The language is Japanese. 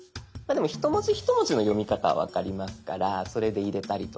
一文字一文字の読み方分かりますからそれで入れたりとか。